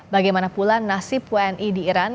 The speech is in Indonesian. bagaimana pula nasib wni di iran